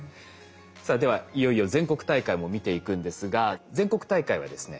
さあではいよいよ全国大会も見ていくんですが全国大会はですね